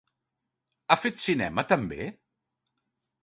Ha fet cinema, també?